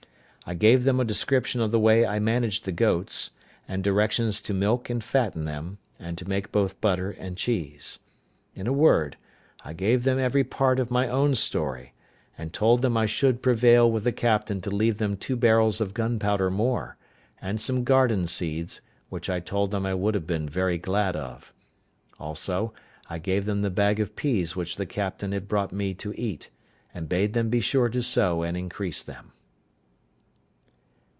I gave them a description of the way I managed the goats, and directions to milk and fatten them, and to make both butter and cheese. In a word, I gave them every part of my own story; and told them I should prevail with the captain to leave them two barrels of gunpowder more, and some garden seeds, which I told them I would have been very glad of. Also, I gave them the bag of peas which the captain had brought me to eat, and bade them be sure to sow and increase them.